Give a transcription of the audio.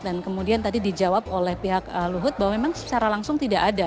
dan kemudian tadi dijawab oleh pihak luhut bahwa memang secara langsung tidak ada